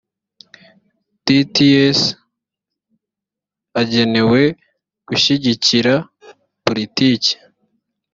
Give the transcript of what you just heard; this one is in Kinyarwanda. dts agenewe gushyigikira politiki